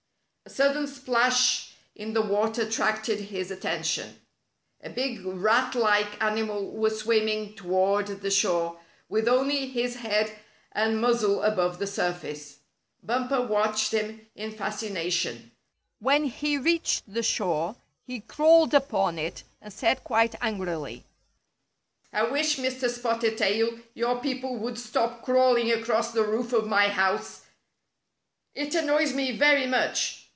A sudden splash in the water attracted his at tention. A big rat like animal was swimming toward the shore, with only his head and muzzle above the surface. Bumper watched him in fasci 36 Spotted Tail Shows Enmity nation. When he reached the shore, he crawled upon it, and said quite angrily :" I wish, Mr. Spotted Tail, your people would stop crawling across the roof of my house. It annoys me very much.